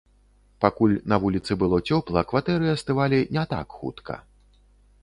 Пакуль на вуліцы было цёпла, кватэры астывалі не так хутка.